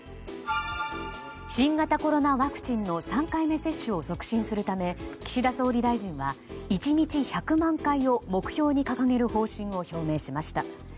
新型コロナワクチンの３回目のワクチン接種を促進するため岸田総理大臣は１日１００万回を目標に掲げる方針を表明しました。